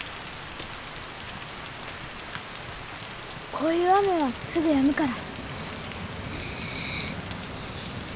こういう雨はすぐやむから。